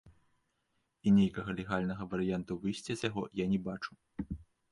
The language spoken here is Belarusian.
І нейкага легальнага варыянту выйсця з яго я не бачу.